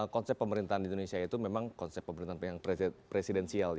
konsep pemerintahan di indonesia itu memang konsep pemerintahan yang presidensial